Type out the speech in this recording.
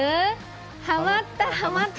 ハマったハマった！